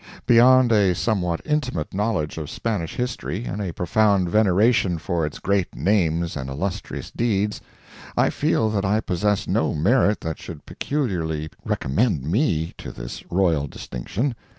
Beyond a somewhat intimate knowledge of Spanish history and a profound veneration for its great names and illustrious deeds, I feel that I possess no merit that should peculiarly recommend me to this royal distinction.